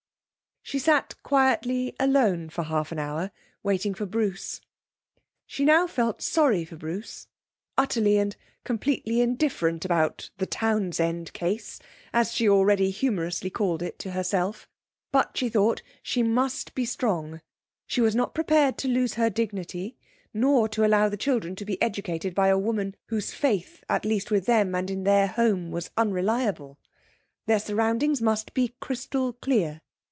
She sat quietly alone for half an hour, waiting for Bruce. She now felt sorry for Bruce, utterly and completely indifferent about 'the Townsend case', as she already humorously called it to herself. But, she thought, she must be strong! She was not prepared to lose her dignity, nor to allow the children to be educated by a woman whose faith at least with them and in their home was unreliable; their surroundings must be crystal clear.